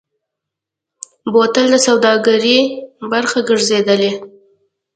بوتل د سوداګرۍ برخه ګرځېدلی.